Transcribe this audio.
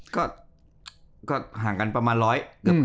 ก็ห่างกันประมาณร้อย